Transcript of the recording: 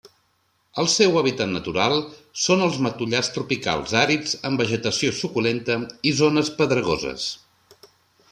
El seu hàbitat natural són els matollars tropicals àrids amb vegetació suculenta i zones pedregoses.